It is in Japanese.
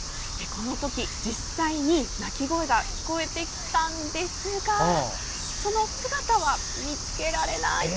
この時、実際に鳴き声が聞こえてきたんですがその姿は見つけられない。